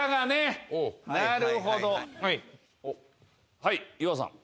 はい岩尾さん。